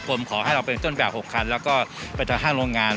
ผมขอให้เราเป็นต้นแบบ๖คันแล้วก็ไปทางห้างโรงงาน